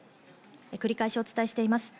繰り返しお伝えしています。